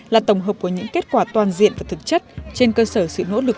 là tổng hợp của những kết quả toàn diện và thực chất trên cơ sở sự nỗ lực